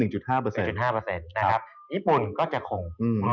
ญี่ปุ่นก็จะคง